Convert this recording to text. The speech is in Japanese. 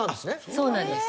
そうなんです。